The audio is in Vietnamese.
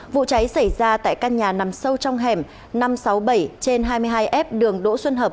vụ cháy xảy ra tại căn nhà nằm sâu trong hẻm năm trăm sáu mươi bảy trên hai mươi hai f đường đỗ xuân hợp